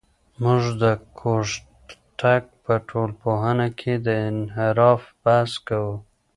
موږ د کوږتګ په ټولنپوهنه کې د انحراف بحث کوو.